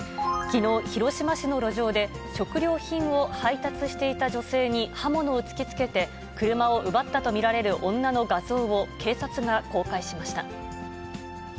きのう、広島市の路上で、食料品を配達していた女性に刃物を突き付けて、車を奪ったと見られる女の画像を、警察が公開しました。